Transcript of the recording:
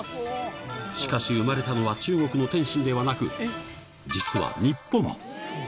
しかし生まれたのは中国の天津ではなく、実は日本。